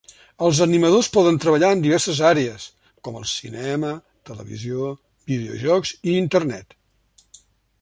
Els animadors poden treballar en diverses àrees com el cinema, televisió, videojocs, i internet.